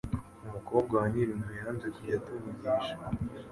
umukobwa wa nyirinzu yanze kujya atuvugisha